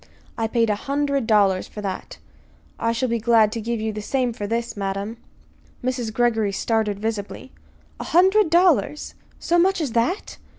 "I paid a hundred dollars for that. I shall be glad to give you the same for this, madam." Mrs. Greggory started visibly. "A hundred dollars? So much as that?"